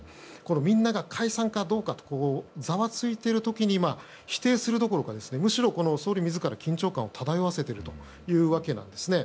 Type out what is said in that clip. みんなが解散かどうかとざわついている時に否定するどころかむしろ総理自ら緊張感を漂わせているわけなんです。